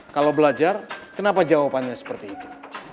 kalau belajar kenapa jawabannya seperti itu